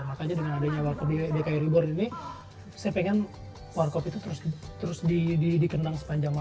makanya dengan adanya warcop dki reborn ini saya pengen warcop itu terus dikenang sepanjang masa